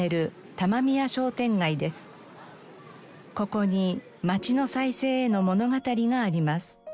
ここに街の再生への物語があります。